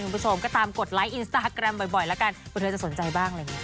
ผมไม่รู้เหมือนกัน